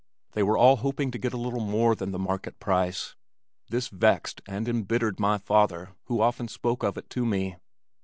They were all hoping to get a little more than the market price. This vexed and embittered my father who often spoke of it to me.